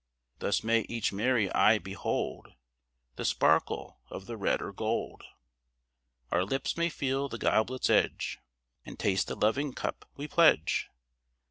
Thus may each merry eye behold The sparkle of the red or gold. Our lips may feel the goblet's edge And taste the loving cup we pledge.